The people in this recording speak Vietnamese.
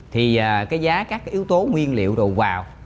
thì cái giá các cái yếu tố nguyên liệu đầu vào